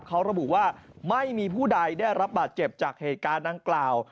เขาระบุว่าไม่มีผู้ใดได้รับบาดเจ็บจากเหตุการณ์ดังกล่าว